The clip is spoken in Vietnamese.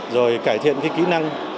rồi cải thiện cái kỹ năng